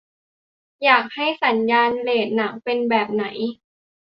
อยากให้สัญลักษณ์เรตหนังเป็นแบบไหน